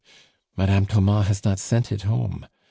"Madame Thomas has not sent it home.